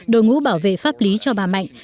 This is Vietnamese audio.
đội ngũ bảo vệ pháp lý cho bà mạnh